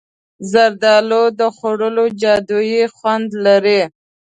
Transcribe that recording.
زردالو د خوړو جادويي خوند لري.